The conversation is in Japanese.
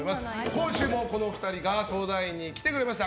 今週もこの２人が相談員に来てくださいました。